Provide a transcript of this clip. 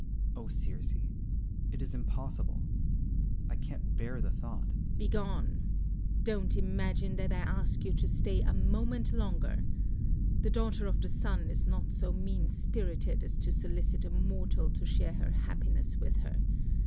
Oh, Circe, it is impossible, I can't bear the thought. Circe. Begone; don't imagine that I ask you to stay a moment longer. The daughter of the sun is not so mean spirited as to solicit a mortal to share her happiness with her.